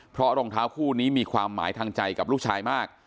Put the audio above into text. เพราะรองเท้าคู่นี้มีความหมายทางใจกับลูกชายมาก